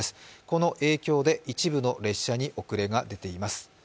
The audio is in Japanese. この影響で一部の列車に遅れが出ています。